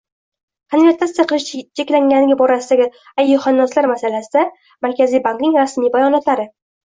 Konvertatsiya qilish ceklangani ʙorasidagi ajjuhannoslar masalasida Markaziy ʙankning rasmij bayonotlari